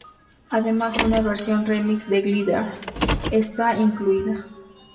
Además, una versión remix de "Glitter" está incluida.